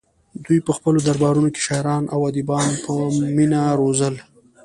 دوی په خپلو دربارونو کې شاعران او ادیبان په مینه روزل